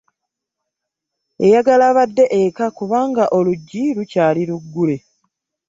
Eyagala badde eka kubanga oluggi lukyali luggule.